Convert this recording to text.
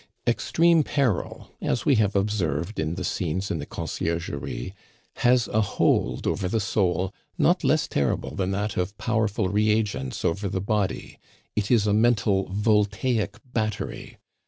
Extreme peril as we have observed in the scenes in the Conciergerie has a hold over the soul not less terrible than that of powerful reagents over the body. It is a mental Voltaic battery.